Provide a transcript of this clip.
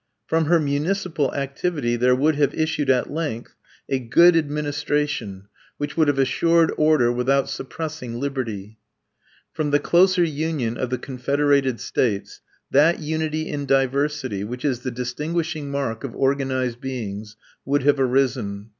From her municipal activity there would have issued at length a good administration which would have assured order without suppressing liberty. From the closer union of the confederated states that unity in diversity, which is the distinguishing mark of organized beings, would have arisen.